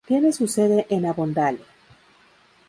Tiene su sede en Avondale.